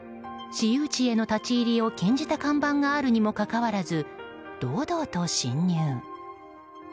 私有地への立ち入りを禁じた看板があるにもかかわらず堂々と侵入。